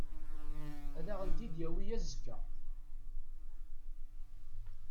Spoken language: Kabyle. Ad aɣ-tent-id-yawi azekka.